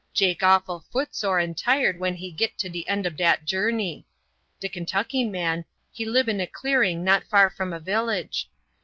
Jake awful footsore and tired when he git to de end ob dat journey. De Kentucky man he lib in a clearing not far from a village.